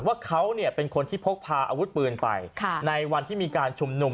ว่าเขาเป็นคนที่พกพาอาวุธปืนไปในวันที่มีการชุมนุม